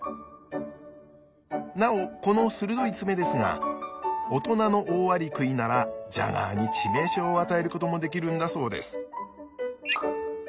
なおこの鋭い爪ですがオトナのオオアリクイならジャガーに致命傷を与えることもできるんだそうです。